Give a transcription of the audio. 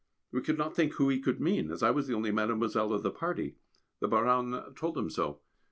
We could not think who he could mean, as I was the only "Mademoiselle" of the party. The Baronne told him so.